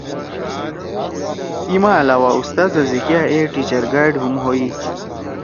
ای ما علاوہ اُستادا سی کیا اے ٹیچر گائیڈ ہُم ہوئی۔